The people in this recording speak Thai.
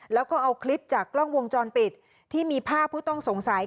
แล้วก็เอาคลิปจากกล้องวงจรปิดที่มีภาพผู้ต้องสงสัย